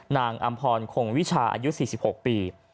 อำพรคงวิชาอายุ๔๖ปี